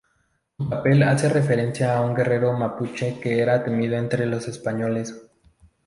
Tucapel hace referencia a un guerrero mapuche que era temido entre los españoles.